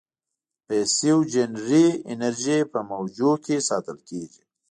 پسیوجنري انرژي په موجونو کې ساتل کېږي.